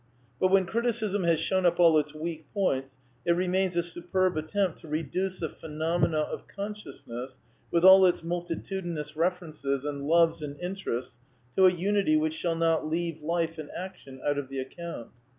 Eut, when criticism has shown up all its weak points, it remains a superb attempt to reduce the phenomena of con sciousness, with all its multitudinous references and loves and interests to a unity which shall not leave life an action out of the account.